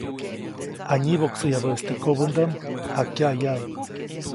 Janyiboʼksäyabäʼis teʼ kobändaʼm, jakyaʼyaʼuŋ.